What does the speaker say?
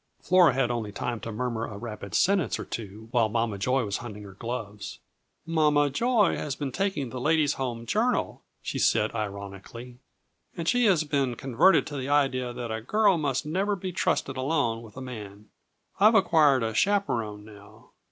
Flora had only time to murmur a rapid sentence or two while Mama Joy was hunting her gloves. "Mama Joy has been taking the Ladies' Home Journal" she said ironically, "and she has been converted to the idea that a girl must never be trusted alone with a man. I've acquired a chaperon now!